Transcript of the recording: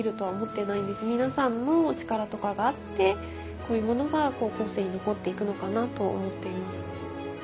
皆さんの力とかがあってこういうものが後世に残っていくのかなと思っています。